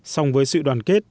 song với sự đoàn kết